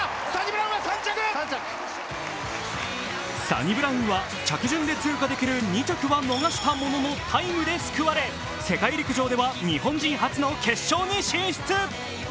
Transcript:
サニブラウンは着順で通貨できる２着は逃したもののタイムで救われ、世界陸上では日本人初の決勝に進出。